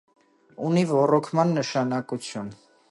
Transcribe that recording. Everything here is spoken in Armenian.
Ունի ոռոգման նշանակություն։